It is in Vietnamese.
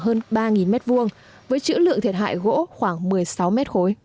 hơn ba m hai với chữ lượng thiệt hại gỗ khoảng một mươi sáu m khối